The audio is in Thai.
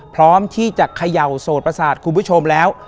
พร้อมที่จะเขย่าโสดประสาทคุณผู้ชมแล้ว